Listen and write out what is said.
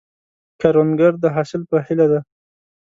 کروندګر د حاصل په هیله دی